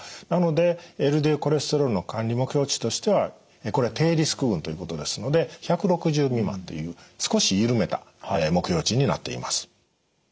なのでＬＤＬコレステロールの管理目標値としてはこれ低リスク群ということですので１６０未満という少し緩めた目標値になっています。